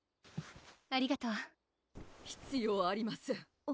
ありがとう必要ありません